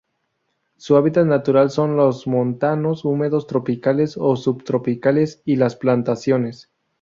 Su hábitat natural son los montanos húmedos tropicales o subtropicales y las plantaciones.